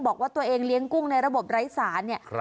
บอกว่าตัวเองเลี้ยงกุ้งในระบบไร้สารเนี่ย